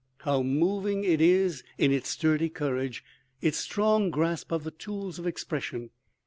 How moving it is in its sturdy courage, its strong grasp of the tools of expression.